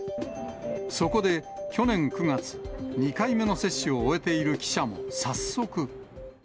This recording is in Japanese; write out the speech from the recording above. そこで去年９月、２回目の接種を終えている記者も早速。